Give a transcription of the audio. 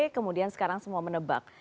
kemudian sekarang semua menebak